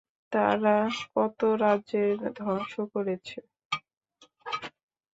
তারা কত রাজ্যের ধংস করেছে?